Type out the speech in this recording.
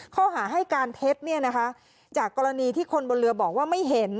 ข้อหาให้การเท็จจากกรณีที่คนบนเรือบอกว่าไม่เห็น